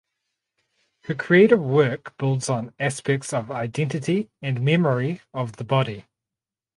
Her creative work builds on aspects of identity and memory of the body.